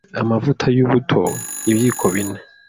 Amavuta y’ubuto ibiyiko bine